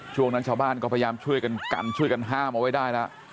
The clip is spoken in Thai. ช่วงนั้นชาวบ้านก็พยายามช่วยกันกันช่วยกันห้ามเอาไว้ได้แล้ว